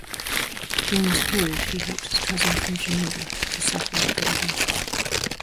During this period he helped his cousin from Geneva to settle in Philadelphia.